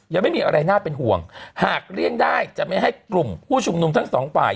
ยังไม่มีอะไรน่าเป็นห่วงหากเลี่ยงได้จะไม่ให้กลุ่มผู้ชุมนุมทั้งสองฝ่าย